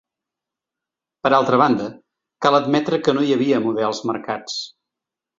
Per altra banda, cal admetre que no hi havia models marcats.